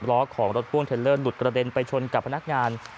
ล้อของรถพ่วงเทลเลอร์หลุดกระเด็นไปชนกับพนักงาน